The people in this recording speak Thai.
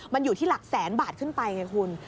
มันอยู่ที่หลักแสนบาทขึ้นไปไงคุณ